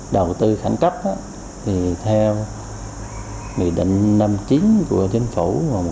đầu tư khẳng cấp thì theo bị định năm mươi chín của chính phủ một trăm ba mươi sáu